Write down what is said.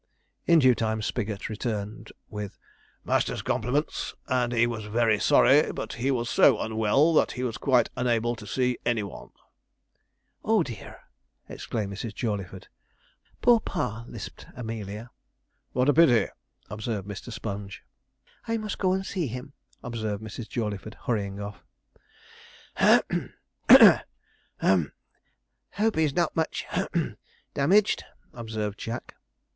In due time Spigot returned, with 'Master's compliments, and he was very sorry, but he was so unwell that he was quite unable to see any one.' 'Oh, dear!' exclaimed Mrs. Jawleyford. 'Poor pa!' lisped Amelia. 'What a pity!' observed Mr. Sponge. 'I must go and see him,' observed Mrs. Jawleyford, hurrying off. 'Hem cough hem hope he's not much hem damaged?' observed Jack.